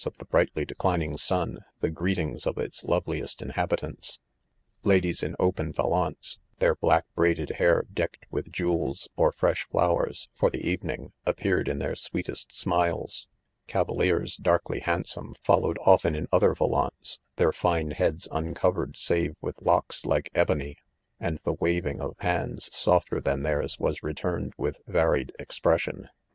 213 of the "brightly declining sun, the greetings of Its loveliest inhabitants. Ladies in open volantes, their black braided hair, decked with jewels or fresh flowers, for the evening, appeared in their sweetest smiles ^ cavaliers, darkly handsome, followed often 'in other volantes, their line heads uncovered save with locks like ebony j and the waving of hands softer than theirs was returned with va ried expression.